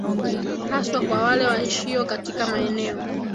haswa kwa wale waishio katika maeneo